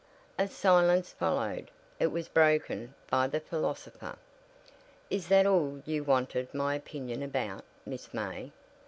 A silence followed. It was broken by the philosopher. "Is that all you wanted my opinion about, Miss May?"